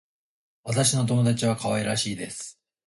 私の友達は可愛らしいです。